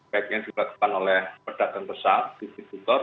baiknya dilakukan oleh pedagang besar distributor